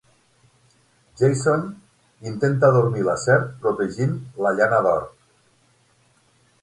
Jason intenta dormir la serp protegint la llana d'or.